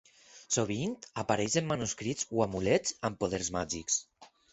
Sovint apareix en manuscrits o amulets amb poders màgics.